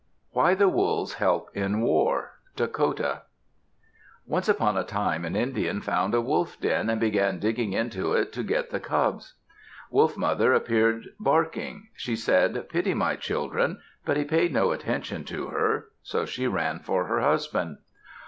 WHY THE WOLVES HELP IN WAR Dakota Once upon a time an Indian found a wolf den, and began digging into it to get the cubs. Wolf Mother appeared, barking. She said, "Pity my children," but he paid no attention to her. So she ran for her husband.